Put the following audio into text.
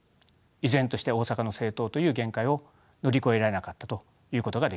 依然として大阪の政党という限界を乗り越えられなかったと言うことができるでしょう。